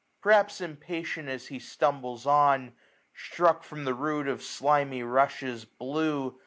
Perhaps impatient as he stumbles on. Struck from the root of slimy rushes, blue.